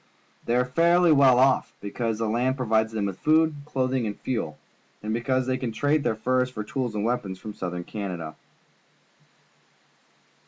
They are fairly well off, because the land provides them with food, clothing, and fuel, and because they can trade their furs for tools and weapons from Soutliern Canada.